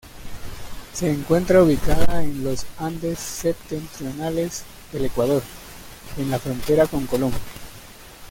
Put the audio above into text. Se encuentra ubicada en los Andes Septentrionales del Ecuador en la frontera con Colombia.